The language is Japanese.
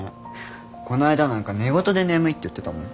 この間なんか寝言で眠いって言ってたもん。